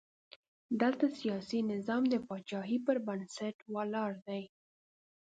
دلته سیاسي نظام د پاچاهۍ پر بنسټ ولاړ دی.